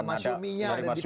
sama syumi dari nu